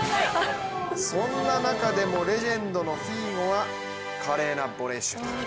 そんな中でもレジェンドのフィーゴが華麗なボレーシュート。